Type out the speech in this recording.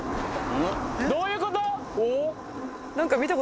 どういうこと？